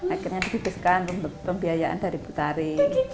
akhirnya dibiskan pembiayaan dari butari